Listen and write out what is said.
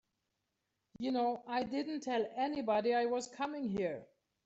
You know I didn't tell anybody I was coming here.